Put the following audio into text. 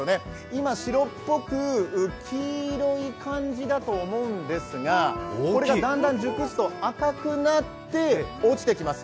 今、白っぽく黄色い感じだと思うんですが、これがだんだん熟すと赤くなって落ちてきます